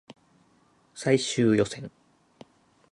最終予選